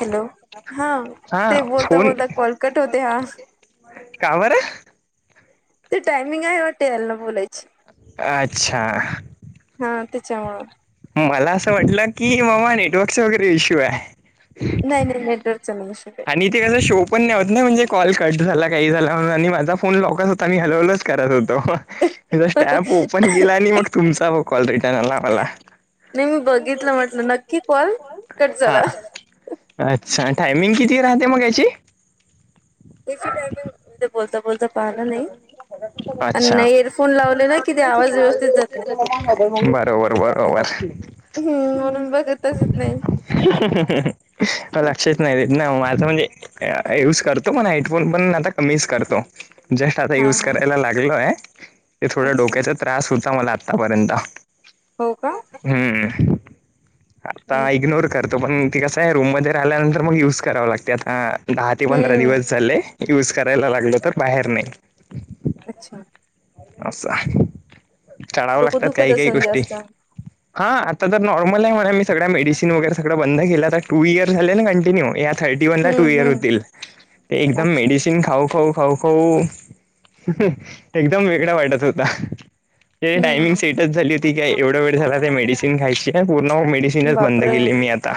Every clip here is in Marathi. हॅलो हा हा ते बोलता बोलता कॉलकट होते हा कावर ते टायमिंग आहे वाटे याल ना बोलायची अच्छा हा त्याच्यामुळं मला असं म्हटलं की मामा नेटवर्कचा वगैरे इश्यू आहे. नाही नाही नेटवर्कचा नाही ईशू आणि ते कसं शो पण नाही होत ना म्हणजे कॉल कट झाला काही झाला म्हण आणि माझा फोन लॉकच होता मी हॅलो हॅलो करत होतो. स्टॅप ओपन केला आणि मग तुमचा कॉल रिटर्न आला मला नाही मी बघितलं म्हटलं नक्की कॉल कट हा झाला. अच्छा टायमिंग किती राहते मग याचे? एी टाइमे [unintelligible] बोलता बोलता पाहिलं नाही अ अच्छा एअरफोन लावले ना कि ते आवाज व्यवस्थित जात नाही बरोबर बरोबर हम्म म्हणून बघतचच नाही. लक्षच नाही ना माझं म्हणजे यूज करतो पण हेडफोन पण आता कमीच करतो. जस्ट आता हा युज हा करायला लागलोय ते थोडं अच्छा डोक्याचा त्रास होता मला आतापर्यंत हो का हम्म आता इग्नोर कर ते पण ते कसं आहे रूम मध्ये राहिल्यानंतर मग युज कराव लागते आता दहा ते पंधरा हम्म दिवस झाले. युज करायला लागल तर बाहेर नाही अच्छा असा चढावं डोकं लागतात दुखत काही काही असेल गोष्टी जास्त हा आता तर नॉर्मल आहे म्हणा मी सग मेडिसिन वगैरे सगळं बंद केलं तर टू इयर झाले ना कंटिन्यू थर्टी वन ला हम्म टू इयर हम्म होतील ते एकदम अच्छा मेडिसिन खाऊ खाऊ हो एकदम वेगळा वाटत होता ते टायमिंग हम्म सेट झाली होती काय एवढा वेळ झाला ते मेडिसिन खायची पूर्ण मेडिनच बंद बापरे केली मी आता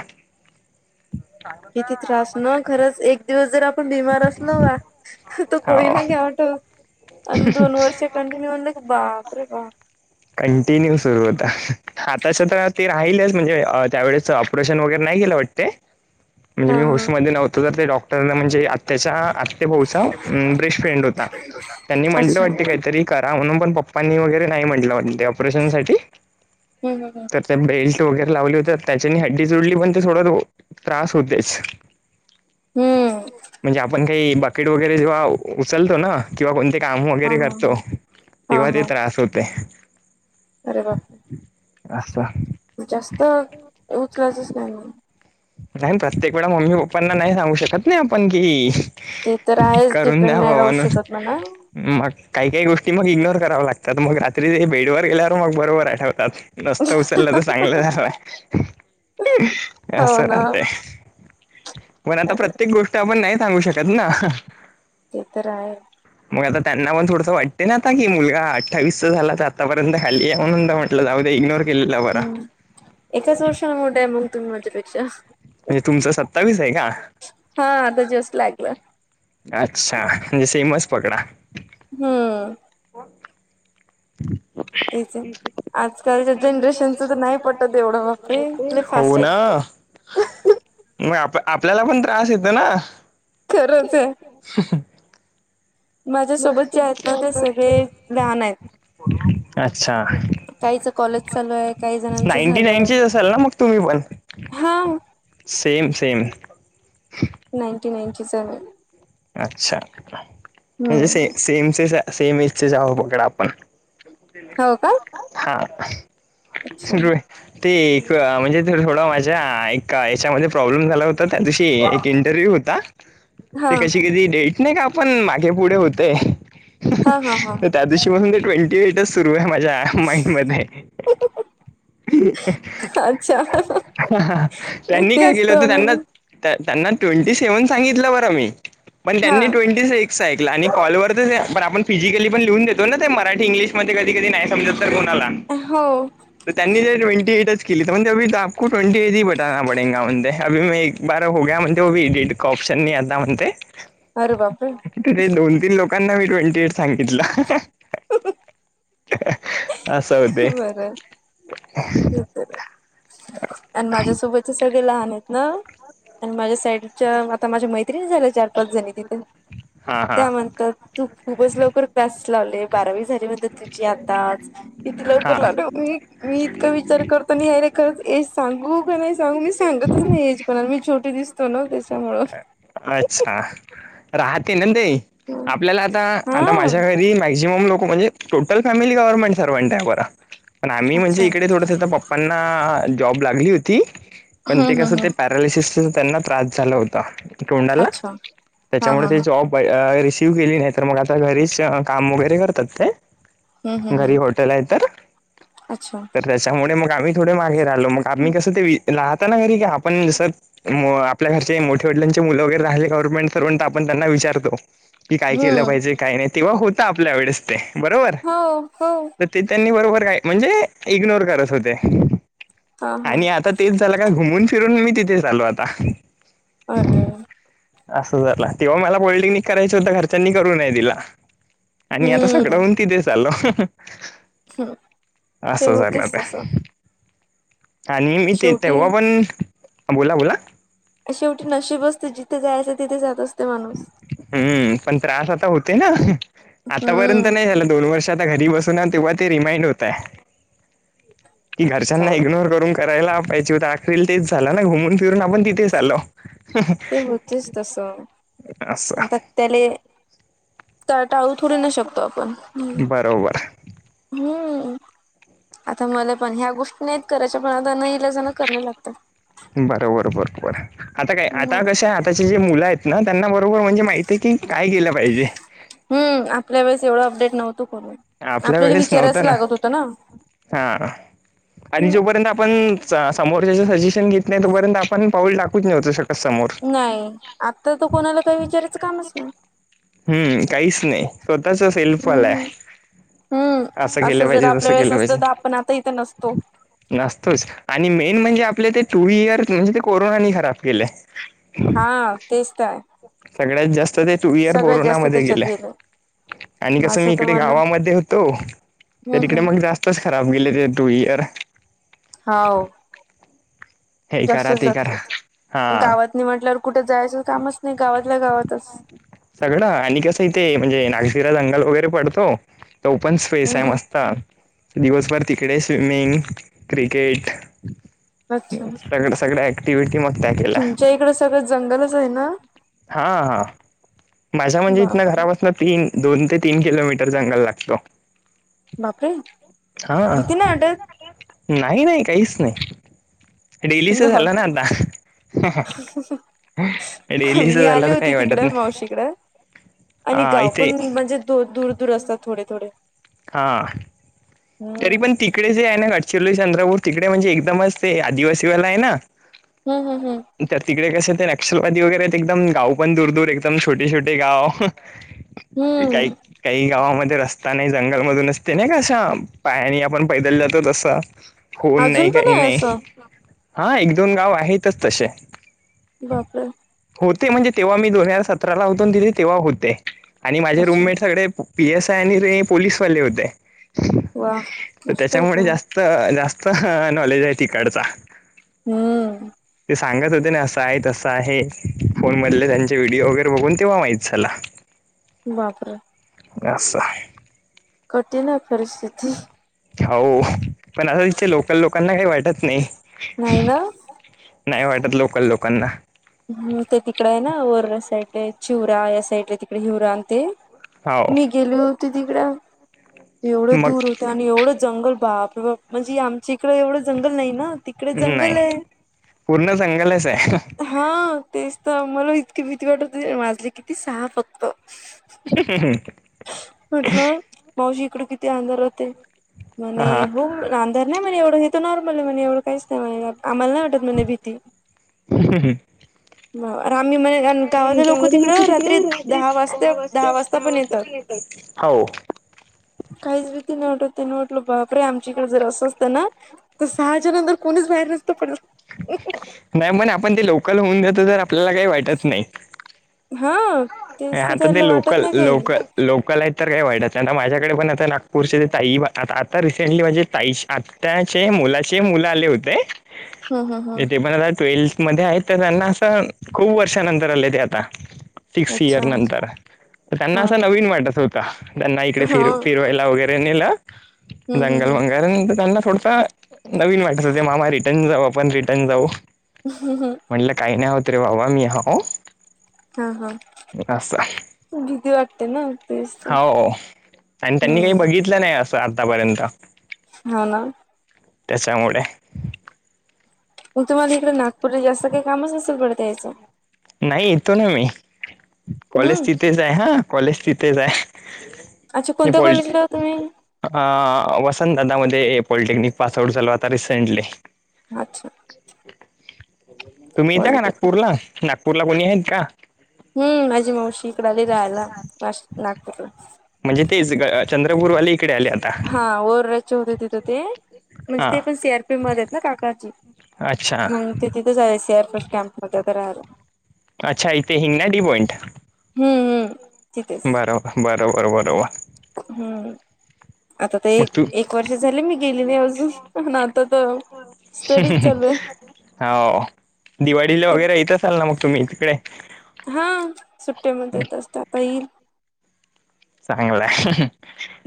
किती त्रास ना खरंच एक दिवस जर आपण बिमार असलो ग तो कोळी हो नाही घ्या आठव आणि दोन वर्षे कंटिन्यू म्ह की बाप रे बा कंटिन्यू सुरू होता आताश तर ते राहिलेच म्हणजे त्यावेळेस ऑपरेशन वगैरे नाही केलं वाटते [unintelligible] म्हणजे मी हा होस्टमध्ये नव्हतो तर ते डॉक्टर म्हणजे आच्या बेट फ्रेंड होता त्यांनी म्हटलं अच्छा वाट हम्म काहीतरी करा म्हणून पण पप्पांनी वगैरे नाही म्हटलं म्हण ऑपरेशन साठी हम् हम ह तर ते बेल्ट वगैरे लावले होते त्याच्यानी हड्डी जुडली पण ते थोडं त्रास होतेच हम्म म्हणजे आपण काही बाकेट वगैरे जेव्हा उचलतो ना, किंवा कोणते काम हा वगैरे हा करतो हा हा तेव्हा ते हा त्रास होते. अरे बा असच्छा जास्त उचलातच नाही म नाही प्रत्येक वेळा मम्मी पप्पांना नाही सांगू शकत नाही आपण कि ते तर आहेच करून डिपेंड द्याव नाही राहू म्हणून शकत म्हणा मग काही काही गोष्टी मग इग्नोर कराव्या लागतात मग रात्री ते बेड ववर गेल्यावर मग बरोबर आठवतात रस्त उचललं तर चांगलं झालंय हो ना राह पण आता अरे प्रत्येक गोष्ट आपण नाही सांगू शकत ना ते तर आहे मग आता त्यांना पण थोडंसं वाटते ना आता की मुलगा अठ्ठावीस चचा झाला तर आतापर्यंत खाली आहे म्हणून जाऊ द इग्नोर केलेला बरा हम्म एकाच वर्षाला मोठं आहे मग तुम्ही माझ्यापेक्षा म्हणजे तुमचं सत्तावीस आहे का हा आता जस्ट लागलं अच्छा म्हणजे सेमच पकडा हम्म तेच आहे आजकालच्या जनरेशनचं तर नाही पडत एवढं वापरले हो फास्ट आहेत ना मग आप आपल्याला पण त्रास येतो ना खरच आहे ह माझ्यासोबत जे आहेत ना ते सगळे लहान आहेत अच्छा काहीच कॉलेज चालू आहे काही जणांच नाईंटी झालंय नाईनचीच असाल ना मग तुम्ही पण हा same same ninety ninety seven अच्छा म्हणजे हम्म से सेमचे सेम एजचे जावं बघड आपण हो का हा अच्छा रु ते म्हणजे थोडं माझ्या एक याच्यामध्ये प्रॉब्लेम झाला होता त्या दिशी इंटरव्ह्यू होता हा ते कशी कधी डेट नाही का आपण मागे पुढे होते हा हा हा तर त्या दिवशी म्हणून ते ट्वेंटी एटच सुरू आहे माझ्या माइंड मध्ये अच्छा त्यांनी का तेच केलं तर होतं त्यांना म्हणून त्यांना ट्वेंटी सेव्हन सांगितलं ब म पण हा त्यांनी ट्वेी ऐक आणि कॉलवर तरच पण आपण फिजिकली पण लिहून देतो ना ते मराठी इंग्लिशमध्ये कधी कधी नाही समजत तर कोणालाह हो. तर त्यांनी ज ट्वेंटी एटच केली तर म्हणजे अ आपो ट्वेंटी एट ह बटाना पडेंगा म्हणतय अभी मैं एक - - बारा हो गया म्हणतय एडिट का ऑप्शन नाही आता म्हणतय अरे बापरे! कीती रे दोन तीन लोकांना मी ट्वेंटी एट सांगितलं. अस होतय. बरं [inaudible] आणि माझ्यासोबत चे सगळे लहान आहेत ना आणि माझ्या साईड च्या आता माझ्या मैत्रिणी झाल्या चार पाच जणी तिथे हा हा त्या म्हण तर तू खूपच लवकर कलास लावले बारावी झाली म्हणतात तुझी अताच. किती लवकर हा लावल मी मी इतका विचार कर पण यार हे खरच एज सांगू का नाही सांगू मी सांगतच नाही एज कोणाला मी छोटी दिसतो ना त्याच्यामुळ. अच्छा राहते ना ते आपल्याला आता हा आता माझ्या घरी मॅग माझी पण लोक म्हणजे टोटल फॅमिली गव्हर्नमेंट सर्वंट आहे बरं पण आम्ही म्हणजे अच्छा इकडे थोडंसं आता पप्पा - त्यांना जॉब लागली होती पण ते हम्म कस हम्म ते हम्म पात प्रवेशासस त्यांना त्रास झाला होता तोंडाला अच्छा हा त्याच्यामुळ हा ते हा जॉब भई रिसीव्ह केली नाही तर मग आता घरीच काम वगैरे करतात काय. हम्म हम्म घरी हम्म हॉटेल आहे तर अच्छा तर त्याच्यामुळे मग आम्ही थोडे मागे राहत मग आम्ही कस ते राहता ना घरी क आपण जस आपल्या घरच्या मोठ्या वडलांचे ते मुल वगैरे राहीले गव्हर्मेंट सर्वंट आपण त्यांना विचारतो की काय केलं हम्म पाहिजे. काही नाही तेव्हा होत आपल्या वेळेस ते बरोबर. हो हो ते त्यांनी बरोबर काय म्हणजे इग्नोर करत होते हा हा आणि आता ते तेच झालं का घुमून फिरून मी तिथेच आलो आता. अरे. असं झालं तेव्हा मला पॉलिटेक्निक करायच होत घरच्यांनी करू नय दिल आणि आता हम्म सगळं तिथे चाललो हम्म ते असं झालं. होतेच तसं आणि मी ते शेवटी तेव्हा पण बोला बोला. शेवटी नशीब असते जिथे जायचं तिथे जात असते माणूस. हम्म पण त्रास आता होते ना आतापर्यंत हम्म नाही झाला दोन वर्ष आता घरी बसून - - पुन्हा तेव्हा ते रिमाइंड होतय. कि घरच्यांना चावल इग्नोर करून करायला पाहिजे होत अखरील तेच झालं ना घुमून फिरून आपण तिथेच आलो. ते होतयच तस आता असं त्याले टाळू थोडू न शकतो आपण हम्म. बरोबर हम्म आता मला पण ह्या गोष्टी नाहीत करायच्या पण अता न इल्याजण करण लागतंय. बरोबर बरोबर आता काय हम्म आता कशे आहे हाताचे. मुल आहेत ना त्यांना बरोबर म्हणजे माहितीे की काय केलं पाहिजे. हम् आपल्या वेळेस एवढं अपडेट नव्हतो कोण आपल्या वेळेस नव्हत ना हा आणि हम्म जोपर्यंत आपण सा समोरच्याचे सजेशन घेत नाही तोपर्यंत आपण पाऊल टाकूच नवतो शकत समोर. नाही आता त कोणाला काही विचारायचं कामच नाही. हम्म काहीच नाही स्वतःच शेल्फ हम्म आलाय. हम्म हम्म असं केलं जर पाहिजे आपल्या तसं वेळेस केलं असत पाहिजे. तर आपण आता इथं नसतो. नसतोच आणि मेन म्हणजे आपले ते टू इयर म्हणजे ते कोरोनानी खराब केलंय. हा तेच तर आहे. सगळ्यात जास्त ते टू इयर जास्त कोरोनामध्ये त्याच्यात गेलंय गेलं आणि कसं माझं मी तर इकडे मला गावामध्ये ते होतो त्या हम्म तिकडे हम्म मग जास्तच खराब गेले ते टू इयर. हा वो. हे करा ते करा. हा. गावात नाही म्हटल्यावर कुठे जायचं कामच नाही गावातल्या गावातच. सगळं आणि कसं इथे म्हणजे नागशीरा जंगल वगैरे पडतो तर ओपन स्पेस आहे हम्म मस्त. ह दिवसभर तिकडे स्विमिंग क्रिकेट अच्छा सगळं सगळं ॲटिट मगॅ आहे तुमच्या इकडं सगळं जंगलच आहे ना हा हा माझ्या म्हणजे इथन बापरे घरापासून तीन दोन ते तीन किलोमीटर जंगल लागतो बापरे हा भीती नाही वाटत नाही नाही काहीच नाही डेलीच झालं ना आता नॉर्मल लीस मी झाला आले तर होते काही वाटत तिकडे ना मावशीकडे ह आऐते द दूर दूर असतात थोडे थोडे हा तरी हम्म पण तिकडे जे आहे ना गडचिरोली चंद्रपूर तिकडे म्हणजे एकदमच ते आदिवासीवाला आहे ना हम् हम् हम तर तिकडे कसें ते नक्षलवादी वगैरे एकदम गाव पण दूर दूर एकदम छोटे छोटे गाव [inaudible] काही काही गावामध्ये रस्ता नाही जंगलमधून असते नाही कशा पायानी आपण पैदल जातो तसा होऊन अजून नाही पण काही आहे नाही असं हा एक दोन गाव आहेतच तसे बापर होते म्हणजे तेव्हा मी दोन हजार सतराला उतून दिले तेव्हा होते आणि माझे अच्छा रूममेट सगळे पी एस आय आणि ते पोलीसवाले होते वा तर मस्त होत त्याच्यामुळे जास्त जास्त नॉलेज आहे तिकडचा हम्म ते सांगत होते ना असं आहे तसं आहे फोन मधले त्यांचे व्हिडिओ वगैरे बघून तेव्हा माहीित चला बापर या कठीण आहे परिस्थिती हो पण आता तिथ लोकल लोकांना काही वाटत नाही नाही ना नाही वाटत लोकल लोकांना हम् ते तिकड आहे ना वर साईड चिवरा या साईड तिकडे हिवरा आणि ते हो मी गेली होते तिकड एवढ मग दूर होत आणि एवढं जंगल बाप म्हणजे आमच्या इकडें एवढं जंगल नाही ना तिकडे नाही. जंगल आहे पूर्ण संंगलच आहे हा तेच तर मला इतकी भीती वाटत माझे किती सहा फक्त ह ह म्हटलं मावशी इकड किती अंधार होते म्हणे हा हो रांधणार नाहीणणे एवढं हेो नॉर्मल आहे म्हणे एवढं काहीच नाही म्ह आम्हाला नाही वाटत म्ह भीती आम्ही म्हणे कार गावात लोक तिकड रात्री दहा वाजता दहा वाजता पण येतात हो काहीच भीती न वाटत त्यांने वाटल बापरे आमच्या इकडे जर असं असतं ना तर सहाज नंतर कोणीच बाहेर नसतो पण नाही मण आपण ते लोकल होऊन देतो तर आपल्याला काही वाटत नाही हा तेच तर आता ते त्याला वाटत लोकल नाही काही. लोकल लोकल आहेत तर काय वाईटच माझ्याकडे पण आता नागपूरचे ताई आता रिसेंटली म्हणजे ताई त्याचे मुलाचे मुलं आले होते ह ह ह ते पण ट्वेल्थ म आहेत त्यांना अस खूप वर्षानंतर आले ते आता अच्छा फियर नंतर त्यांना हा असं नवीन वाटत होता त्यांना इकडे हा फिर फिरवायला वगैरे ला हम्म जंगल हम्म मंगल कारण त्यांना थोडसा नवीन वाटचं ते मामा रिटर्न जाऊ आपण रिटर्न जाऊ ह ह हं म्हटलं काही नाही होत रे बाबा मी अहो हा हा भीती वाटते ना तस हो आणि त्यांनी काही बघितलं नाही असं आतापर्यंत हो ना त्याच्यामुळे मग तुम्हाला इकडे नागपूरला जास्त काही कामच नसेल पडत याचं नाही येतो ना मी कॉलेज हम्म तिथेच आहे हा कॉलेज तिथेच आहे अच्छा कोणत्या कॉलेजला हा तुम्ही अ वसंतदादामध्येध्ये पॉलिटेक्निक पास आउट झाल आता रिसेंटली अच्छा तुम्ही यता का पॉलिटेक्निक नागपूरला नागपूरला कोणी आहेत का हम्म माझी मावशी इकड आली राहायला मा नागपूरला म्हणजे तेच चंद्रपूरवाली हा ओर्रचे होते तिथं ते म्हणजे हां ते पण सी आरपी मध्ये ना काकाची अच्छा मग तिथेथच झा सी आर फर्स कॅम्प मध्ये तर राहल अच्छा इथे हिंग ना डी पॉइंट हम्म हम्म तिथेच बरोबर बरोबर बरोबर हम्म आता तर मग एक तू एक वर्ष झाले मी गेली नाही अजून प आता तर स्टडीज चालू आहे होा दिवाळीला ते वगैरे येत असाल ना मग तुम्ही तिकडे हा सुट्टेमध्ये येत असतात येईल चांगलाय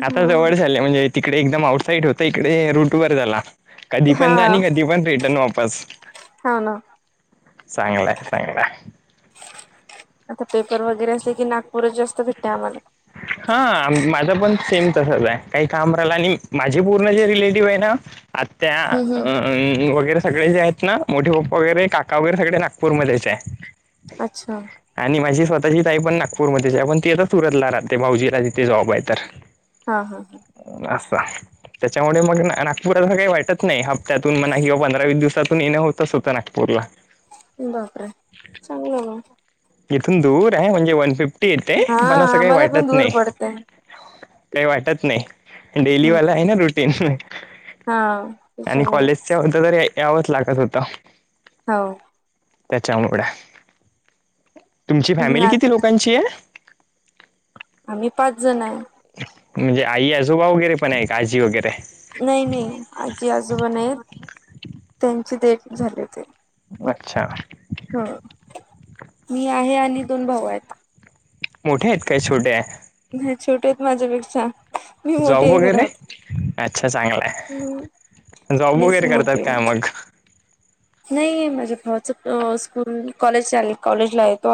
आता हा जवढ झाचाली आहे म्हणजे तिकडे एकदम आउटसाईड होत इकडे रूट वर झाला कधी पण जा हा आणि कधी पण रिटर्न वापस हा ना चांगलंय चांगलाय आता पेपर वगैरे असे की नागपूरच जास्त भेटत आम्हाला हा माझं पण सेम तसच आहे काही काम राहिलं आणि माझे पूर्ण जे रिलेटिव्ह आहे ना आत्या हम्म हम्म अं अं वगैरे सगळे जे आहेत ना मोठे पप् वगैरे काका वगैरे सगळे नागपूरमध्येध्येच आहे अच्छा आणि माझी स्वतःची ताई पण नागपूरमध्ये आहे पण ती आ तर सुरतला राहते भाऊजीला तिथे जॉब आहे तर हा हा हा असस्ता त्याच्यामुळे मग नागपूरात काही वाटत नाही हप्त्यातून म किंवा पंधरा वीस दिवसातून येणं होतच होतं नागपूरला बापरे चांगलं म इथून दूर आहे म्हणजे वन फिफ्टी येते हा पण असं काही आम्हाला पण वाटत दूर नाही पडतय काही वाटत नाही डेलीवाला आहे ना रुटीन हा आणि त्याच्यामुळे कॉलेजच्या हो तर यावंच लागत होत हो त्याच्या वंगडा तुमची फॅमिली मग किती लोकांची आहे आम्ही पाच जन आहे. म्हणजे आई आजोबा वगैरे पण आहे का? आजी वगैरे. नाही नाही आजी आजोबा नाहीत त्यांची डेट झाली होती. अच्छा. हा मी आहे आणि दोन भाऊ आहेत. मोठे आहेत काय छोट्या? नाही छोटे आहेत माझ्यापेक्षा. मी मोठी जॉब आहे वगैरे घरात नाही? अच्छा चांगलय जॉब मीच वगैरे करतात मोठी का आहे मगं. नाही माझ्या भावाच अ स्कूल कॉलेज चा कॉलेजला आहेे तो.